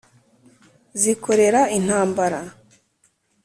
zikorera intambara